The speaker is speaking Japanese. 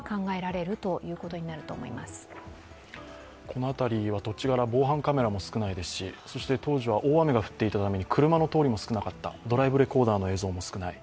この辺りは土地柄、防犯カメラも少ないですし、そして当時は大雨が降っていたために車の通りも少なかった、ドライブレコーダーの映像も少ない。